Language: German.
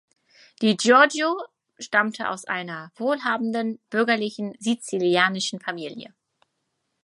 Di Giorgio stammte aus einer wohlhabenden bürgerlichen sizilianischen Familie.